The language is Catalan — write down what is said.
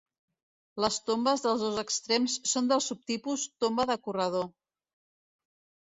Les tombes dels dos extrems són del subtipus tomba de corredor.